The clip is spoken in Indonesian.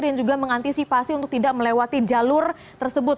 dan juga mengantisipasi untuk tidak melewati jalur tersebut